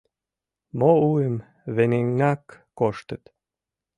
Мо уым ваҥенак коштыт.